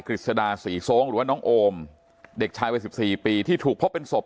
ฤษดาศรีทรงหรือว่าน้องโอมเด็กชายวัย๑๔ปีที่ถูกพบเป็นศพ